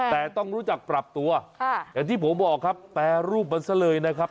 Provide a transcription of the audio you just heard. แต่ต้องรู้จักปรับตัวอย่างที่ผมบอกครับแปรรูปมันซะเลยนะครับ